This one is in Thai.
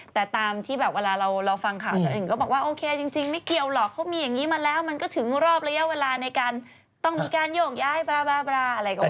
แต่ตามที่แบบเวลาเราฟังข่าวฉันเองก็บอกว่าโอเคจริงไม่เกี่ยวหรอกเขามีอย่างนี้มาแล้วมันก็ถึงรอบระยะเวลาในการต้องมีการโยกย้ายบราอะไรก็ว่า